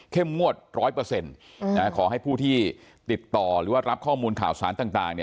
งวด๑๐๐ขอให้ผู้ที่ติดต่อหรือว่ารับข้อมูลข่าวสารต่าง